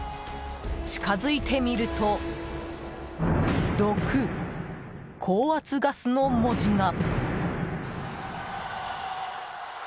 近づいてみると「毒」「高圧ガス」の文字が。